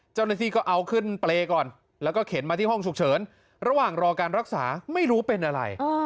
เจ้าหน้าที่ก็เอาขึ้นเปรย์ก่อนแล้วก็เข็นมาที่ห้องฉุกเฉินระหว่างรอการรักษาไม่รู้เป็นอะไร